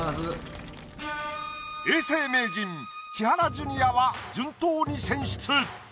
永世名人千原ジュニアは順当に選出。